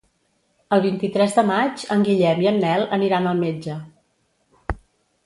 El vint-i-tres de maig en Guillem i en Nel aniran al metge.